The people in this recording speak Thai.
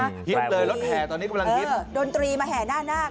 ฮิตเลยรถแห่ตอนนี้กำลังฮิตดนตรีมาแห่หน้านาค